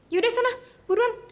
yaudah sana buruan